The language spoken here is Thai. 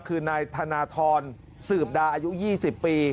คือนายธนทรสืบดาอายุ๒๐ปี